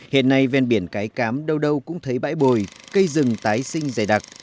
hiện nay ven biển cái cám đâu đâu đâu cũng thấy bãi bồi cây rừng tái sinh dày đặc